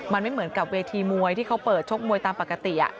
มันไม่เหมือนกับเวทีมวยที่เขาเปิดชกมวยตามปกติ